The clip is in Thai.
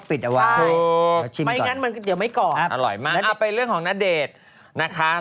พอเวลานั้น